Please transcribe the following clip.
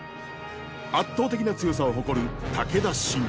圧倒的な強さを誇る武田信玄。